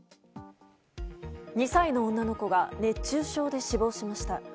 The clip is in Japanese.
２歳の女の子が熱中症で死亡しました。